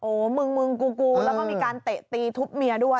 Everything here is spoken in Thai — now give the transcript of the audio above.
โอ้โหมึงมึงกูแล้วก็มีการเตะตีทุบเมียด้วย